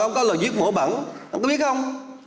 ông có lời giết mổ bẩn ông có biết không